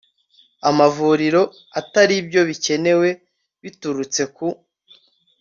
amavuriro ataribyo bikenewe biturutse ku